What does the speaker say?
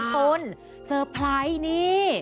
คนเซอร์ไพรส์นี่